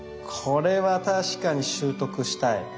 これは確かに習得したい。